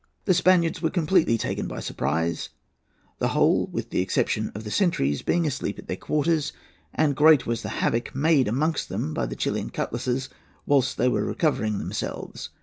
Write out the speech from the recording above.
The Spaniards were completely taken by surprise, the whole, with the exception of the sentries, being asleep at their quarters; and great was the havoc made amongst them by the Chilian cutlasses whilst they were recovering themselves.